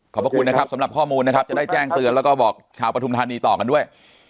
ขอบคุณนะครับสำหรับข้อมูลนะครับจะได้แจ้งเตือนแล้วก็บอกชาวปฐุมธานีต่อกันด้วย